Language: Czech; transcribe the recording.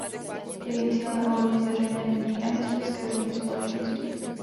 Jejím cílem je ovlivnit veřejné mínění a historické vědomí společnosti.